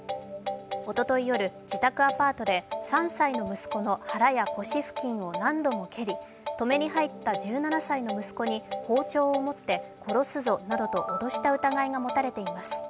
一昨日夜、自宅アパートで３歳の息子の腹や腰付近を何度も蹴り、止めに入った１７歳の息子に包丁を持って殺すぞなどと脅した疑いが持たれています。